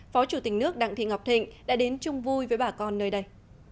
phó chủ tịch nước đặng thị ngọc thịnh đã đến chung vui với bà con nơi đây